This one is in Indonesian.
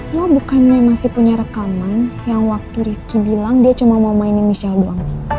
gue bukannya masih punya rekaman yang waktu ricky bilang dia cuma mau mainin michelle doang